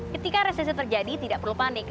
ketika resesi terjadi tidak perlu panik